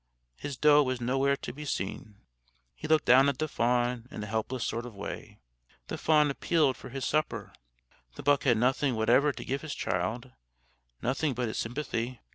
His doe was nowhere to be seen. He looked down at the fawn in a helpless sort of way. The fawn appealed for his supper. The buck had nothing whatever to give his child nothing but his sympathy.